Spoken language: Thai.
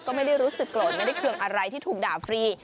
ก็ไม่ได้รู้สึกโกรธไม่ได้เครื่องอะไรที่ถูกด่าฟรี